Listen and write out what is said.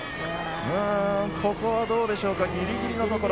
ここはどうでしょうかギリギリのところ。